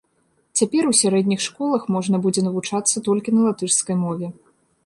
Цяпер у сярэдніх школах можна будзе навучацца толькі на латышскай мове.